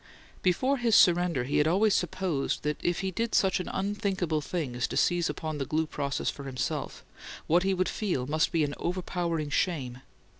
Before his surrender he had always supposed that if he did such an unthinkable thing as to seize upon the glue process for himself, what he would feel must be an overpowering shame.